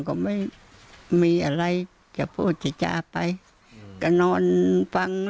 ก็ไม่มีอะไรจะพูดจริงไปก็นอนฟังเลยนะ